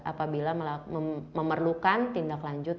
apabila memerlukan tindak lanjut